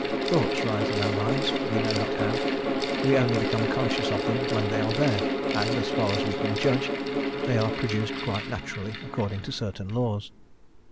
Thoughts rise in our minds, we know not how; we only become conscious of them when they are there, and, as far as we can judge, they are produced quite naturally according to certain laws.